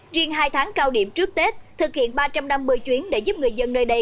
riêng hai tháng cao điểm trước tết thực hiện ba trăm năm mươi chuyến để giúp người dân nơi đây